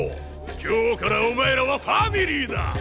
今日からお前らはファミリーだ！